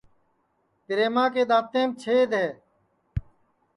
پِریما کے دؔانٚتینٚم چھِیدؔ ہے